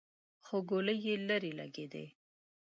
خو ګولۍ يې ليرې لګېدې.